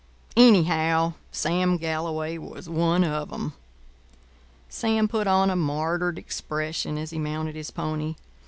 Anyhow, Sam Galloway was one of 'em. Sam put on a martyred expression as he mounted his pony.